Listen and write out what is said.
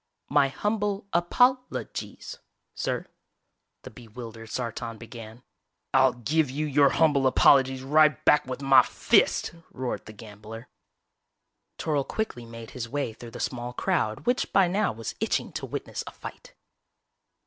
"My humble apol o gies, sir," the bewildered Sartan began. "I'll give you your humble apologies right back with my fist," roared the gambler. Toryl quickly made his way through the small crowd which by now was itching to witness a fight.